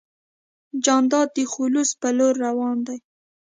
جانداد د خلوص په لور روان دی.